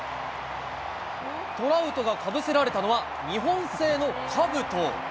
トラウトがかぶせられたのは、日本製のかぶと。